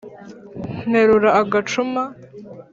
nterura agacuma